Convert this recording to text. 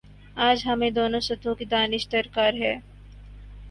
آج ہمیںدونوں سطحوں کی دانش درکار ہے